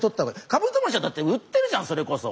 カブトムシはだって売ってるじゃんそれこそ。